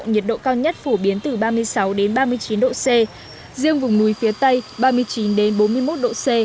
nhiệt độ cao nhất phổ biến từ ba mươi sáu ba mươi chín độ c riêng vùng núi phía tây ba mươi chín bốn mươi một độ c